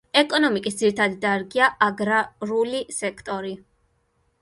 ეკონომიკის ძირითადი დარგია აგრარული სექტორი.